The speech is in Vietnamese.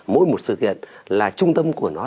mỗi một sự kiện là trung tâm của nó